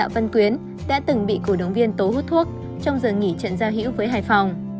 văn quyến đã từng bị cổ động viên tố hút thuốc trong giờ nghỉ trận giao hữu với hải phòng